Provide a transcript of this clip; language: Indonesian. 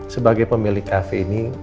sebagai pemilik kafe ini